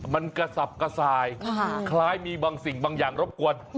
มันกระสับกระส่ายคล้ายมีบางสิ่งบางอย่างรบกวน